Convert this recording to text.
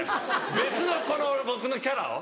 別の僕のキャラを。